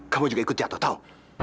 kamu juga ikut jatuh tau